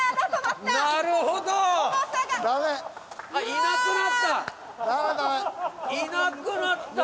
いなくなった。